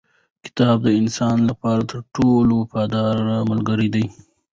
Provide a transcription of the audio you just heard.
کتاب د انسان لپاره تر ټولو وفادار ملګری دی